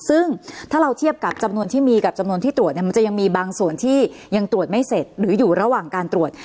ซึ่งถ้าเราเทียบกับจำนวนที่มีกับจำนวนที่ตรวจเนี่ยมันจะยังมีบางส่วนที่ยังตรวจไม่เสร็จหรืออยู่ระหว่างการตรวจ